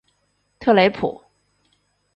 特雷普。